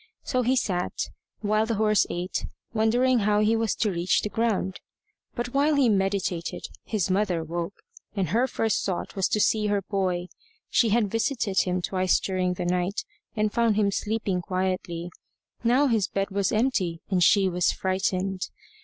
So he sat, while the horse ate, wondering how he was to reach the ground. But while he meditated, his mother woke, and her first thought was to see her boy. She had visited him twice during the night, and found him sleeping quietly. Now his bed was empty, and she was frightened.